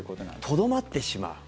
とどまってしまう。